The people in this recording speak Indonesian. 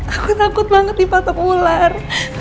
aku takut banget dipatok ular